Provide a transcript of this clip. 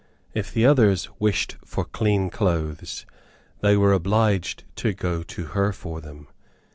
If the others wished for clean clothes, they were obliged to go to her for them.